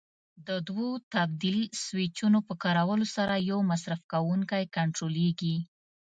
د دوو تبدیل سویچونو په کارولو سره یو مصرف کوونکی کنټرولېږي.